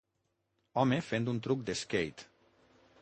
Home fent un truc de skate